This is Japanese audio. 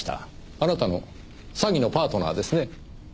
あなたの詐欺のパートナーですね。